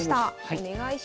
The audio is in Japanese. お願いします。